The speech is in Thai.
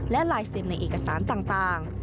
และลายเซ็นในเอกสารต่าง